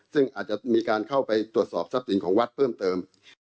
ซึ่งอาจจะมีการเข้าไปตรวจสอบทรัพย์สินของวัดเพิ่มเติม